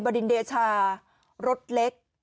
ดินเดชารถเล็ก